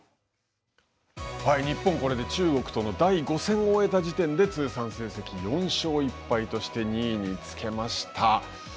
日本これで中国との第５戦を終えた時点で通算成績４勝１敗として２位につけました。